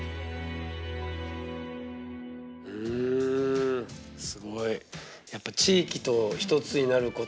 んすごい。